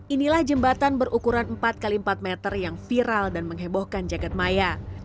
inilah jembatan berukuran empat x empat meter yang viral dan menghebohkan jagadmaya